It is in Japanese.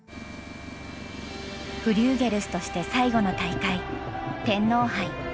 フリューゲルスとして最後の大会天皇杯。